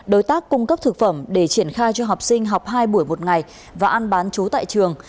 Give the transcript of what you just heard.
đối tác cung cấp thực phẩm để triển khai cho học sinh học hai buổi một ngày và ăn bán chú tại trường